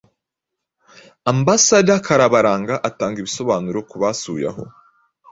Amb. Karabaranga atanga ibisobanuro ku basuye aho